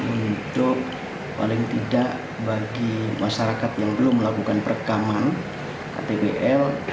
untuk paling tidak bagi masyarakat yang belum melakukan perekaman kpbl